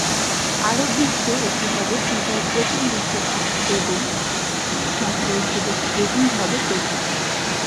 আরব বিশ্ব এটি হবে ফিফার প্রথম বিশ্বকাপ এবং মুসলিম সংখ্যাগরিষ্ঠ দেশে এটিই হবে প্রথম।